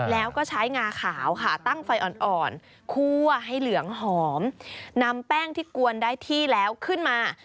แล้วก็ใช้งาขาวค่ะตั้งไฟอ่อนคั่วให้เหลืองหอมนำแป้งที่กวนได้ที่แล้วขึ้นมา